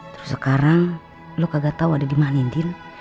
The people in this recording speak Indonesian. terus sekarang lo kagak tahu ada dimana indin